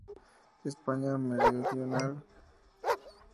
España meridional.